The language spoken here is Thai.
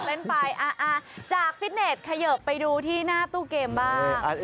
เป็นไปจากฟิตเน็ตเขยิบไปดูที่หน้าตู้เกมบ้าง